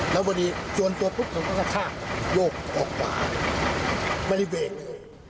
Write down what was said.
แล้วพอดีจวนตัวปุ๊บผมก็กระชากโยกออกปากไม่ได้เบรกเลย